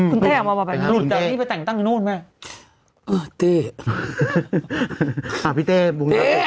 คุณเต้เอามาบอกแบบนี้แต่อันนี้ไปแต่งตั้งข้างนู้นไหมอื้อเต้